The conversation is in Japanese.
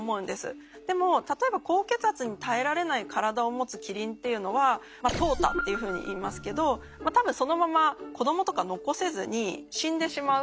でも例えば高血圧に耐えられない体を持つキリンというのは「淘汰」っていうふうに言いますけどたぶんそのまま子どもとか残せずに死んでしまうんじゃないかと。